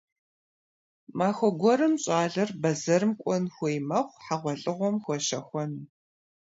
Махуэ гуэрым щӀалэр бэзэрым кӀуэн хуей мэхъу, хьэгъуэлӀыгъуэм хуэщэхуэну.